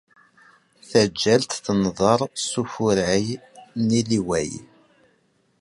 Taǧǧalt tenḍer s uffuray n iliwey.